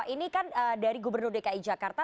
ini kan dari gubernur dki jakarta